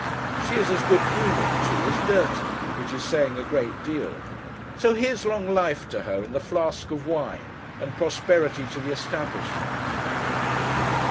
She is as good humoured, too, as dirty, which is saying a great deal. So here's long life to her, in the flask of wine, and prosperity to the establishment.